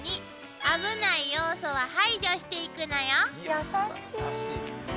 優しい！